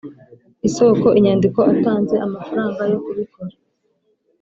isoko inyandiko atanze amafaranga yo kubikoa